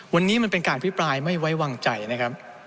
วันนี้มันเป็นการพิปรายไม่ไว้วางใจนะครับ